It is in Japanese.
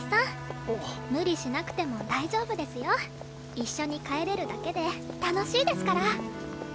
一緒に帰れるだけで楽しいですから。